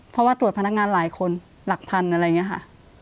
เพราะว่าตรวจพนักงานหลายคนหลักพันธุ์อะไรอย่างนี้ค่ะ